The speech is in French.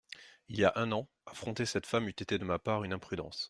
Il y a un an, affronter cette femme eût été de ma part une imprudence.